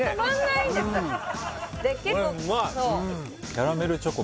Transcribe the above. キャラメルチョコ